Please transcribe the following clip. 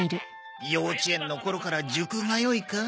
幼稚園の頃から塾通いか。